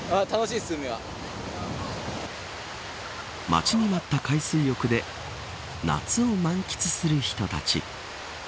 待ちに待った海水浴で夏を満喫する人たち。